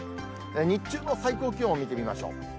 日中の最高気温を見てみましょう。